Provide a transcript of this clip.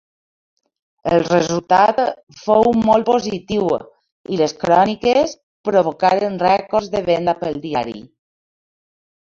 El resultat fou molt positiu i les cròniques provocaren rècords de venda pel diari.